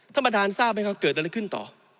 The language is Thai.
ท่านประธานทราบไหมครับเกิดอะไรขึ้นต่อ